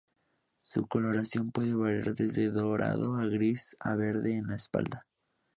Su coloración puede variar desde dorado a gris a verde en la espalda.